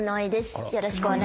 よろしくお願いします。